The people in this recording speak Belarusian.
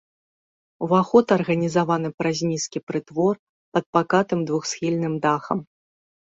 Уваход арганізаваны праз нізкі прытвор пад пакатым двухсхільным дахам.